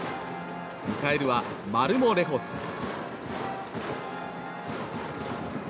迎えるはマルモレホス。